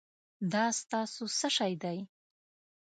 دا ستاسو څه شی دی؟